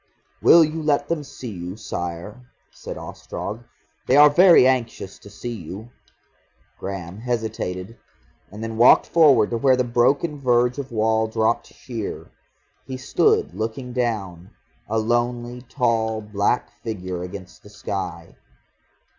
"Will you let them see you, Sire?" said Ostrog. "They are very anxious to see you." Graham hesitated, and then walked forward to where the broken verge of wall dropped sheer. He stood looking down, a lonely, tall, black figure against the sky.